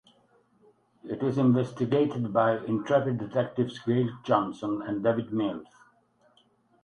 It is investigated by intrepid detectives Gail Johnson and David Mills.